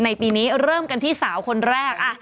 ปีนี้เริ่มกันที่สาวคนแรก